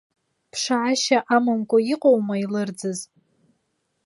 Ԥшаашьа амамкәа иҟоума илырӡыз?